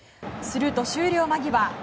すると、終了間際。